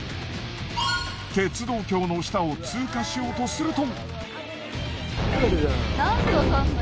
鉄道橋の下を通過しようとすると。